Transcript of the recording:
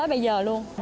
tới bây giờ luôn